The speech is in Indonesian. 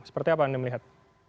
seperti apa anda melihat